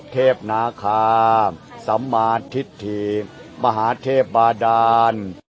เทพนาคาสัมมาทิศถีมหาเทพบาดาน